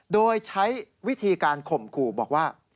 โดยใช้วิธีการข่มขู่บอกว่า